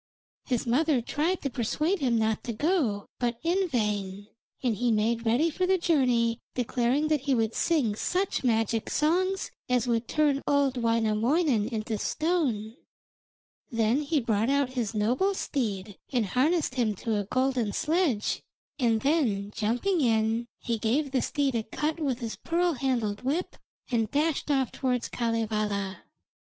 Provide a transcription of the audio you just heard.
His mother tried to persuade him not to go, but in vain, and he made ready for the journey, declaring that he would sing such magic songs as would turn old Wainamoinen into stone. Then he brought out his noble steed and harnessed him to a golden sledge, and then jumping in, he gave the steed a cut with his pearl handled whip, and dashed off towards Kalevala.